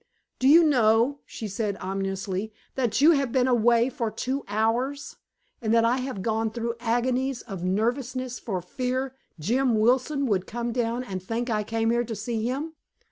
"Do you know," she said ominously, "that you have been away for two hours; and that I have gone through agonies of nervousness for fear Jim Wilson would come down and think I came here to see him?"